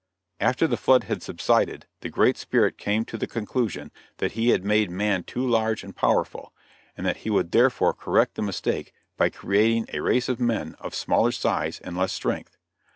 After the flood had subsided, the Great Spirit came to the conclusion that he had made man too large and powerful, and that he would therefore correct the mistake by creating a race of men of smaller size and less strength.